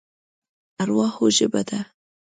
ژبه د ارواحو ژبه ده